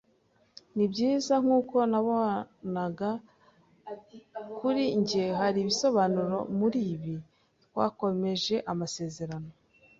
Nibyiza, nkuko nabonaga kuri njye, hari ibisobanuro muribi. Twakomeje amasezerano